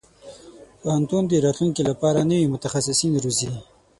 پوهنتون د راتلونکي لپاره نوي متخصصين روزي.